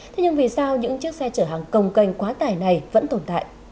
thế nhưng vì sao những chiếc xe chở hàng cồng cành quá tải này vẫn tồn tại